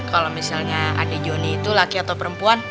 kalo misalnya adik jonny itu laki atau perempuan